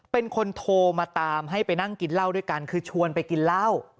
เป็นคนโทรมาตามให้ไปนั่งกินเหล้าด้วยกันคือชวนไปกินเหล้า